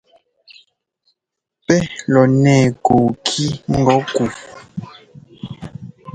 Pɛ́ lɔ nɛɛ kɔɔkí ŋgɔ̌ ku?